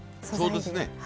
そうですね